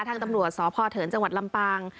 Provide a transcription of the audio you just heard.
ทางตำรวจสพเถินจังหวัดลำปาง